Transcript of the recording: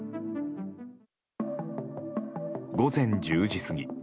午前１０時過ぎ。